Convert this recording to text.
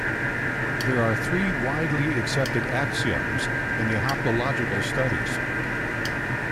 There are three widely accepted axioms in hoplological studies.